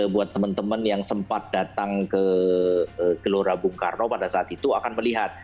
buat teman teman yang sempat datang ke gelora bung karno pada saat itu akan melihat